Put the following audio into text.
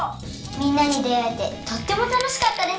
みんなにであえてとってもたのしかったです！